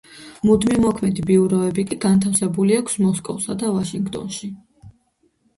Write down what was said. მუდმივმოქმედი ბიუროები კი განთავსებული აქვს მოსკოვსა და ვაშინგტონში.